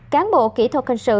cáng bộ kỹ thuật hình sự